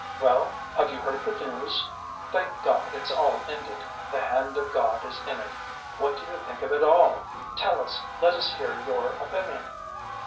"Well, have you heard the news? Thank God, it's all ended! The hand of God is in it! What do you think of it all? Tell us, let us hear your opinion!"